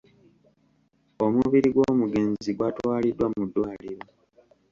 Omubiri gw'omugenzi gwatwaliddwa mu ddwaliro.